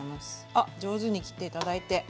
あっ上手に切って頂いて。